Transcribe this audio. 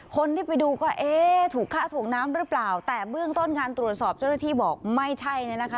คนที่ไปดูก็เอ๊ะถูกฆ่าถ่วงน้ำหรือเปล่าแต่เบื้องต้นการตรวจสอบเจ้าหน้าที่บอกไม่ใช่เนี่ยนะคะ